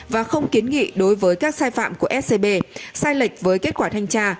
và không kiến nghị đối với các sai phạm của scb sai lệch với kết quả thanh tra